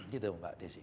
gitu mbak desy